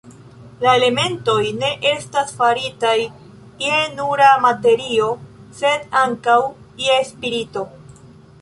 La elementoj ne estas faritaj je nura materio, sed ankaŭ je spirito.